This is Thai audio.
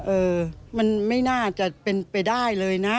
เออมันไม่น่าจะเป็นไปได้เลยนะ